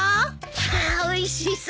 わあおいしそう。